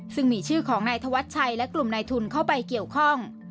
ซึ่งมีชื่อของนายธวัชชัยและกลุ่มนายทุนเข้าไปเกี่ยวข้อง